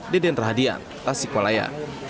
deden rahadian tasikmalaya